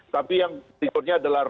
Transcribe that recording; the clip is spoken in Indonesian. tapi yang berikutnya adalah